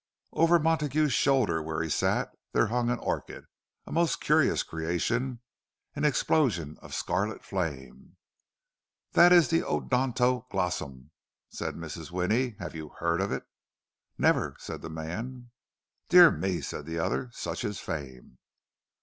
Over Montague's shoulder where he sat, there hung an orchid, a most curious creation, an explosion of scarlet flame. "That is the odonto glossum," said Mrs. Winnie. "Have you heard of it?" "Never," said the man. "Dear me," said the other. "Such is fame!"